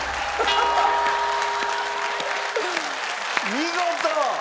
見事！